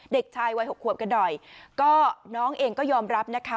เด็กชายวัยหกขวบกันหน่อยก็น้องเองก็ยอมรับนะคะ